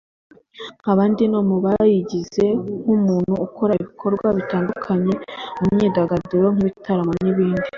nkaba ndi no mu bayigize nk’umuntu ukora ibikorwa bitandukanye mu by’imyidagaduro nk’ibitaramo n’ibindi